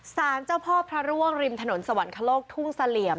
สารเจ้าพ่อพระร่วงริมถนนสวรรคโลกทุ่งเสลี่ยม